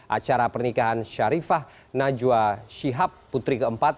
acara pernikahan syarifah najwa shihab putri keempat